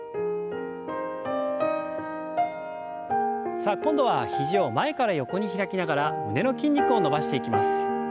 さあ今度は肘を前から横に開きながら胸の筋肉を伸ばしていきます。